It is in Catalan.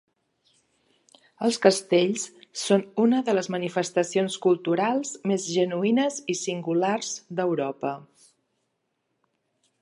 Els castells són una de les manifestacions culturals més genuïnes i singulars d'Europa